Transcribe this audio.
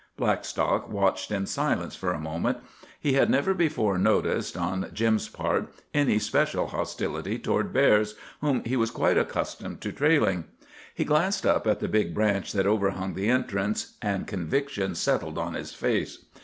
Blackstock watched in silence for a moment. He had never before noticed, on Jim's part, any special hostility toward bears, whom he was quite accustomed to trailing. He glanced up at the big branch that overhung the entrance, and conviction settled on his face.